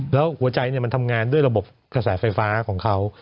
แล้วหัวใจมันทำงานด้วยระบบกระแสไฟฟ้าของเขา